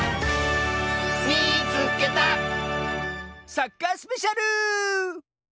サッカースペシャル！